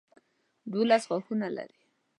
دولس ښاخونه لري.